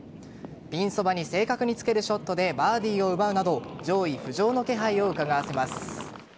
ピンそばに正確につけるショットでバーディーを奪うなど上位浮上の気配をうかがわせます。